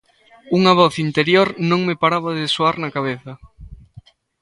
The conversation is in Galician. Unha voz interior non me paraba de zoar na cabeza.